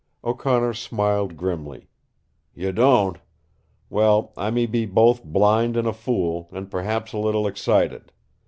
O'Connor smiled grimly. "You don't? Well, I may be both blind and a fool, and perhaps a little excited.